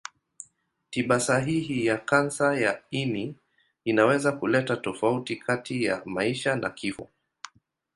Tiba sahihi ya kansa ya ini inaweza kuleta tofauti kati ya maisha na kifo.